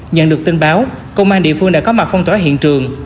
nhận được tin báo công an địa phương đã có mặt phong tỏa hiện trường